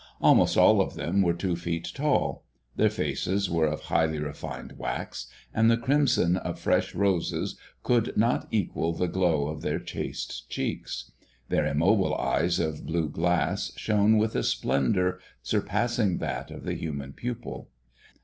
Almost all of them were two feet tall. Their faces were of highly refined wax, and the crimson of fresh roses could not equal the glow of their chaste cheeks. Their immobile eyes of blue glass shone with a splendor surpassing that of the human pupil.